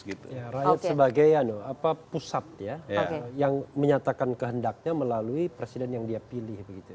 rakyat sebagai pusat ya yang menyatakan kehendaknya melalui presiden yang dia pilih